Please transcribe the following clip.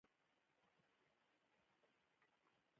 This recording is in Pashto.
احمد او علي په لانجو کې یو د بل نه بتر دي.